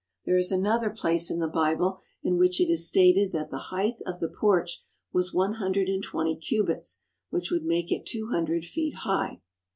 There is another place in the Bible in which it is stated that the height of the porch was one hundred and twenty cubits, which would make it two hundred feet high.